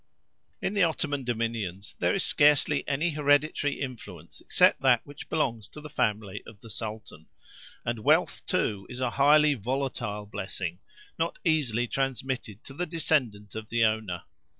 In the Ottoman dominions there is scarcely any hereditary influence except that which belongs to the family of the Sultan, and wealth, too, is a highly volatile blessing, not easily transmitted to the descendant of the owner.